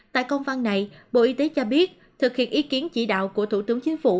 tại công văn này bộ y tế cho biết thực hiện ý kiến chỉ đạo của thủ tướng chính phủ